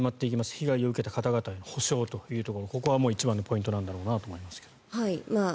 被害を受けた方々への補償というところここは一番のポイントなんだろうなと思いますが。